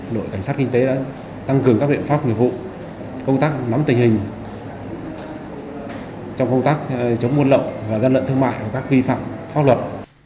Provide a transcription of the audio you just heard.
đội cảnh sát kinh tế đã tăng cường các biện pháp nghiệp vụ công tác nắm tình hình trong công tác chống buôn lậu và gian lận thương mại và các vi phạm pháp luật